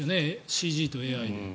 ＣＧとＡＩで。